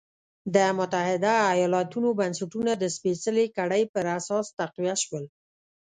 د متحده ایالتونو بنسټونه د سپېڅلې کړۍ پر اساس تقویه شول.